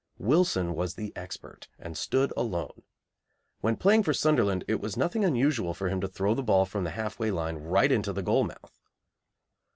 Wilson was the expert, and stood alone. When playing for Sunderland it was nothing unusual for him to throw the ball from the half way line right into the goal mouth.